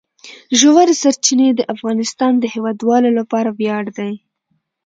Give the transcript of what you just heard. ژورې سرچینې د افغانستان د هیوادوالو لپاره ویاړ دی.